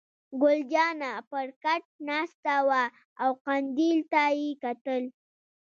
ګل جانه پر کټ ناسته وه او قندیل ته یې کتل.